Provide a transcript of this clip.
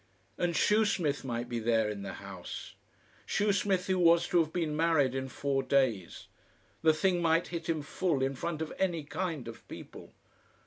And Shoesmith might be there in the house, Shoesmith who was to have been married in four days the thing might hit him full in front of any kind of people.